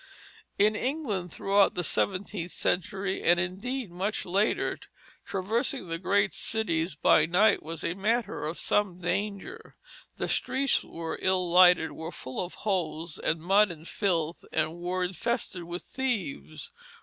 In England throughout the seventeenth century, and indeed much later, traversing the great cities by night was a matter of some danger. The streets were ill lighted, were full of holes and mud and filth, and were infested with thieves.